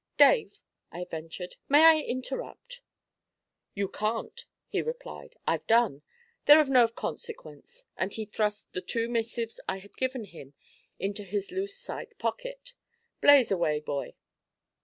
'Dave,' I ventured, 'may I interrupt?' 'You can't,' he replied. 'I've done. They're of no consequence,' and he thrust the two missives I had given him into his loose side pocket. 'Blaze away, boy.'